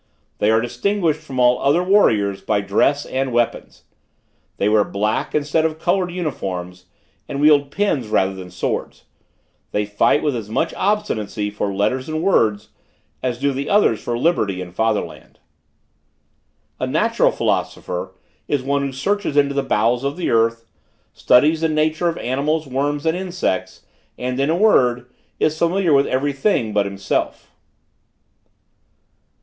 They are distinguished from all other warriors, by dress and weapons. They wear black instead of colored uniforms, and wield pens rather than swords. They fight with as much obstinacy for letters and words as do the others for liberty and father land. "A natural philosopher is one who searches into the bowels of the earth, studies the nature of animals, worms and insects, and, in a word, is familiar with every thing, but himself.